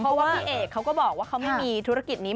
เพราะว่าพี่เอกเขาก็บอกว่าเขาไม่มีธุรกิจนี้